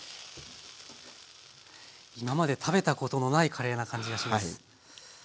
今まで食べたことのないカレーな感じがします。